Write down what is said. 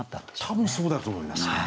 多分そうだと思います。